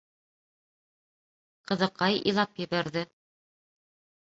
Ҡыҙыҡай илап ебәрҙе.